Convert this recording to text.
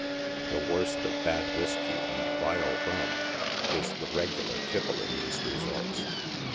The worst of bad whiskey and vile rum is the regular tipple in these resorts.